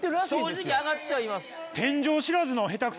正直上がってはいます。